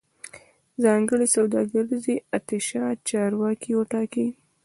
ځانګړی سوداګریز اتشه چارواکي وټاکي